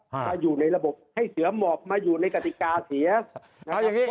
ฮะมาอยู่ในระบบให้เสือหมอบมาอยู่ในกฎิกาเสียเอาอย่างงี้